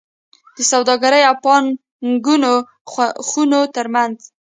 د سوداګرۍ او پانګونو خونو ترمنځ